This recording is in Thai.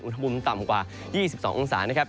อุณหภูมิต่ำกว่า๒๒องศานะครับ